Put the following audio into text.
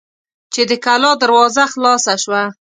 چې د کلا دروازه خلاصه شوه.